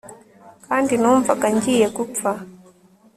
Kandi numvaga ngiye gupfa